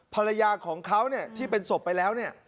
ภรรยาของเขาที่เป็นศพไปแล้วเนี่ย